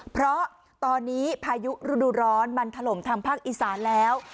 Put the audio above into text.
เพราะตอนนี้พายุฤดูร้อนมันถล่มทางภาคอีสานแล้ว